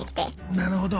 なるほど。